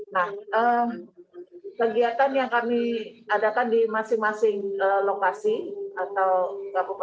nah kegiatan yang kami adakan di masing masing lokasi atau kabupaten kota yang dalam hal penyelenggaraan protes